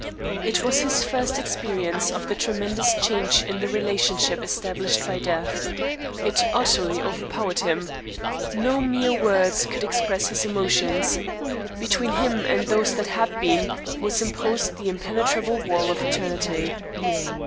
It was his first experience of the tremendous change in the relationship established by death. It utterly overpowered him. No mere words could express his emotions. Between him and those that had been was imposed the impenetrable wall of eternity.